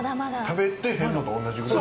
食べてへんのと同じぐらい。